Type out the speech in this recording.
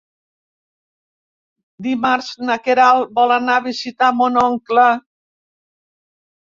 Dimarts na Queralt vol anar a visitar mon oncle.